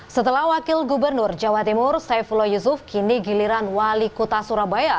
setelah wakil gubernur jawa timur saifullah yusuf kini giliran wali kota surabaya